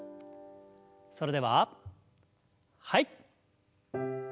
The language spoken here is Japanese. それでははい。